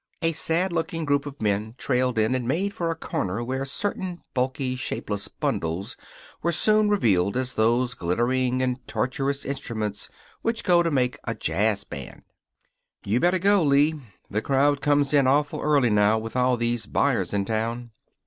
A sad looking group of men trailed in and made for a corner where certain bulky, shapeless bundles were soon revealed as those glittering and tortuous instruments which go to make a jazz band. "You better go, Lee. The crowd comes in awful early now, with all these buyers in town."